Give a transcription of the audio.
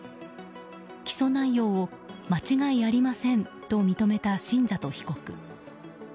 起訴内容を間違いありませんと認めた新里被告。